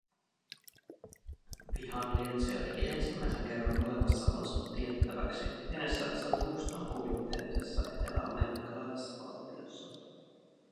Vihanlietsoja teki ensimmäisen kerran olemassaolonsa tiettäväksi pienessä San Guston kuvitteellisessa eteläamerikkalaisessa valtiossa